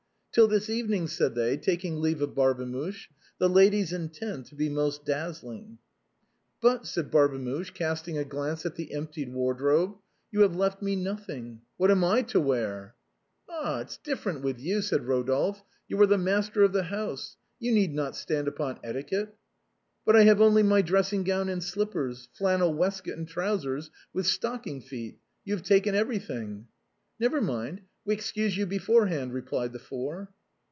" Till this evening," said they, taking leave of Barbe muche ;" the ladies intend to be most dazzling." " But," said Barbemuche, casting a glance at the emptied wardrobe, " you have left me nothing. What am I to wear ?"" Ah, it's different with you," said Eodolphe ;" you are the master of the house ; you need not stand upon etiquette." " But I have only my dressing gown and slippers, flannel waistcoat and trousers with stocking feet. You have taken everything." " Never mind ; we excuse you beforehand," replied the four.